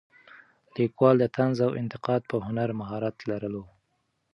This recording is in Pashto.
لیکواله د طنز او انتقاد په هنر مهارت لرلو.